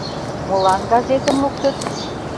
Молан газетым луктыт?